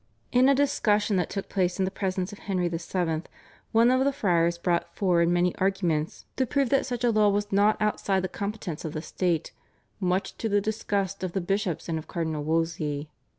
In a discussion that took place in the presence of Henry VII. one of the friars brought forward many arguments to prove that such a law was not outside the competence of the state, much to the disgust of the bishops and of Cardinal Wolsey.